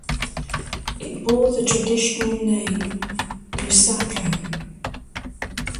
It bore the traditional name "Nusakan".